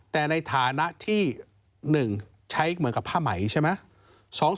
แต่ในฐานะที่๑ใช้เหมือนกับผ้าไหมใช่ไหม